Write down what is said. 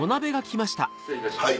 失礼いたします